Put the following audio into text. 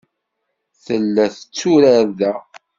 Tella tetturar da.